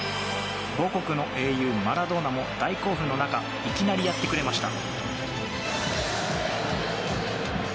母国の英雄マラドーナも大興奮の中いきなりやってくれました。